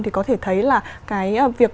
thì có thể thấy là cái việc